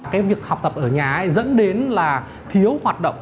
cái việc học tập ở nhà ấy dẫn đến là thiếu hoạt động